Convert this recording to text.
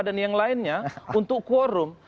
dan yang lainnya untuk quorum